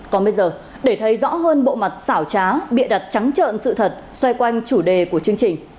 còn bây giờ để thấy rõ hơn bộ mặt xảo trá bịa đặt trắng trợn sự thật xoay quanh chủ đề của chương trình